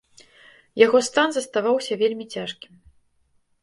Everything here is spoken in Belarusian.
Яго стан заставаўся вельмі цяжкім.